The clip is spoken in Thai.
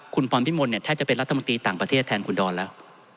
คุณพรพิมลเนี่ยแทบจะเป็นรัฐมนตรีต่างประเทศแทนคุณดอนแล้ว